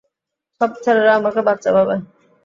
সব ছেলেরা আমাকে বাচ্চা ভাবে।